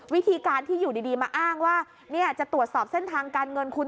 วิธีการที่อยู่ดีมาอ้างว่าจะตรวจสอบเส้นทางการเงินคุณ